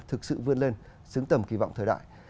thực sự vươn lên xứng tầm kỳ vọng thời đại